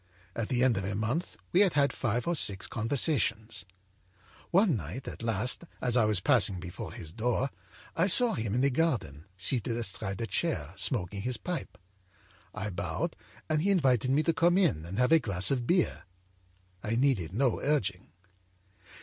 At the end of a month we had had five or six conversations. âOne night, at last, as I was passing before his door, I saw him in the garden, seated astride a chair, smoking his pipe. I bowed and he invited me to come in and have a glass of beer. I needed no urging.